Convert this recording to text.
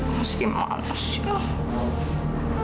masih males ya